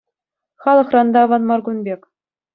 Халӑхран та аван мар кун пек.